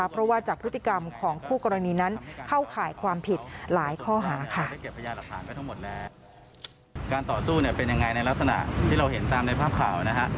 เพราะว่าจากพฤติกรรมของคู่กรณีนั้นเข้าข่ายความผิดหลายข้อหาค่ะ